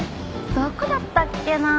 どこだったっけなあ。